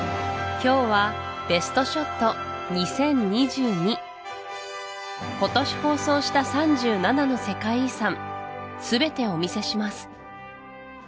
今日はベストショット２０２２今年放送した３７の世界遺産すべてお見せします